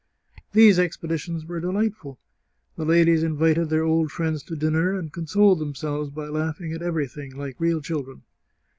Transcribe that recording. These expeditions were delightful ; the ladies invited their old friends to din ner, and consoled themselves by laughing at everything, like real children.